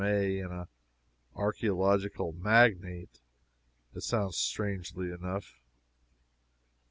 A., and an Archaeological magnate, it sounds strangely enough.